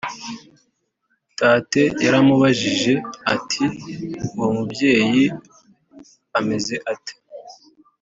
tate yaramubajije ati:uwo mubyeyi ameze ate